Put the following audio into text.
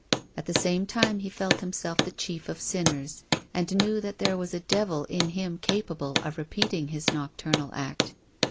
At the same time he felt himself the chief of sinners and knew that there was a devil in him capable of repeating his noc turnal act.